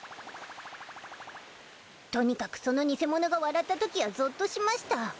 とにかくその偽者が笑ったときはぞっとしました。